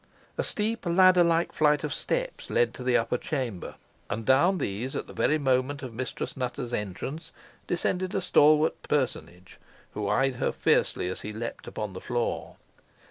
A steep ladder like flight of steps led to the upper chamber, and down these, at the very moment of Mistress Nutter's entrance, descended a stalwart personage, who eyed her fiercely as he leapt upon the floor.